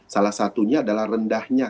salah satunya adalah rendahnya